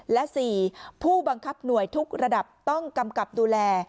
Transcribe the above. และ๔ผู้บังคับหน่วยทุกระดับต้องกำกับดูแล